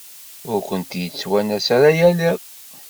Ur kent-yettwanas ara yal iḍ.